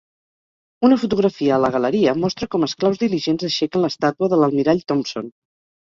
Una fotografia a la galeria mostra com esclaus diligents aixequen l'estàtua de l'almirall Thompson.